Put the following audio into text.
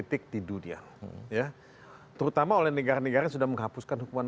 terima kasih pak